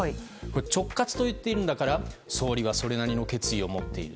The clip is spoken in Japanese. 直轄と言っているんだから総理はそれなりの決意を持っている。